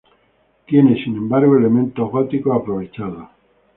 Tiene sin embargo, elementos góticos aprovechados.